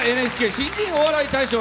「ＮＨＫ新人お笑い大賞」。